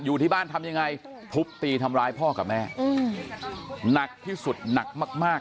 อยู่ที่บ้านทำยังไงทุบตีทำร้ายพ่อกับแม่อืมหนักที่สุดหนักมากมาก